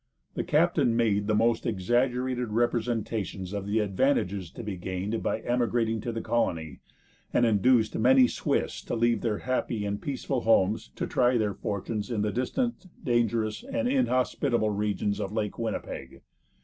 The captain made the most exaggerated representations of the advantages to be gained by emigrating to the colony, and induced many Swiss to leave their happy and peaceful homes to try their fortunes in the distant, dangerous and inhospitable regions of Lake Winnipeg.